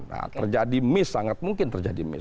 nah terjadi miss sangat mungkin terjadi miss